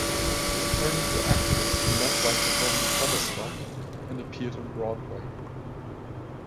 His parents were actors who met while performing summer stock and appeared on Broadway.